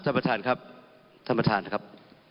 ท่านประธานครับท่านประธานนะครับ